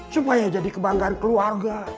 supaya jadi kebanggaan keluarga